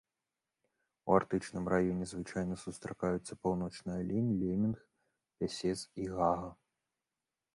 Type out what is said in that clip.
У арктычным раёне звычайна сустракаюцца паўночны алень, лемінг, пясец і гага.